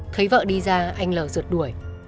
thấy vợ đi ra anh lờ rượt đuổi